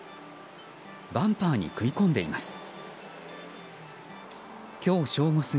バンパーに食い込んでいます。